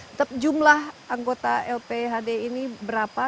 tetap jumlah anggota lphd ini berapa